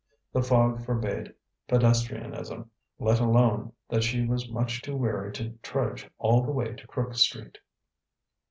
The fog forbade pedestrianism, let alone that she was much too weary to trudge all the way to Crook Street.